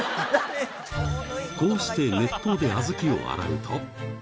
こうして熱湯で小豆を洗うと。